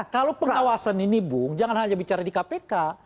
kalau pengawasan ini bung jangan hanya bicara di kpk